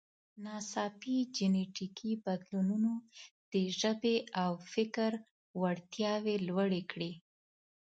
ناڅاپي جینټیکي بدلونونو د ژبې او فکر وړتیاوې لوړې کړې.